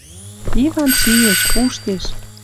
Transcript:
Иван шиэш, пуштеш